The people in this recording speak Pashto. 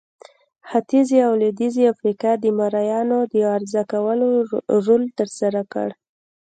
ختیځې او لوېدیځې افریقا د مریانو د عرضه کولو رول ترسره کړ.